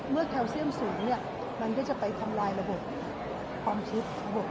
แคลเซียมสูงมันก็จะไปทำลายระบบความคิด